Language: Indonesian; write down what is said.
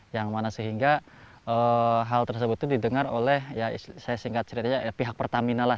yang mana sehingga hal tersebut itu didengar oleh ya saya singkat ceritanya pihak pertamina lah